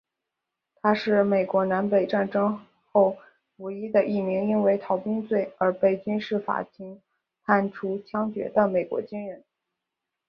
他是美国南北战争后唯一的一名因为逃兵罪而被军事法庭判处枪决的美国军人。